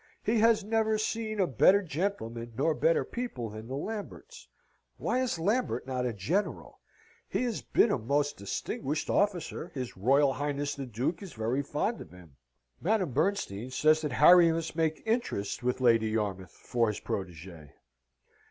He has never seen a better gentleman, nor better people, than the Lamberts. Why is Lambert not a general? He has been a most distinguished officer: his Royal Highness the Duke is very fond of him. Madame Bernstein says that Harry must make interest with Lady Yarmouth for his protege.